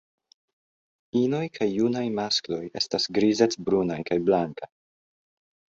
Inoj kaj junaj maskloj estas grizec-brunaj kaj blankaj.